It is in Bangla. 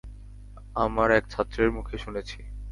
আমার এক ছাত্রের মুখে শুনেছি।